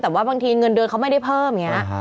แต่ว่าบางทีเงินเดือนเขาไม่ได้เพิ่ม